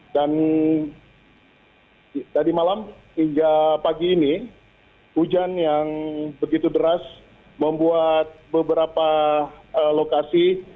dan dari malam hingga pagi ini hujan yang begitu deras membuat beberapa lokasi